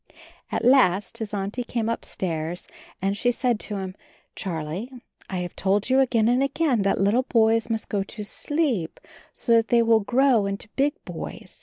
At last his Auntie came upstairs and she said to him: "Charlie, I have told you again and again, that little boys must go to sleep, so that they will grow into big boys.